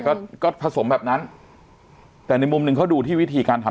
ก็ก็ผสมแบบนั้นแต่ในมุมหนึ่งเขาดูที่วิธีการทำ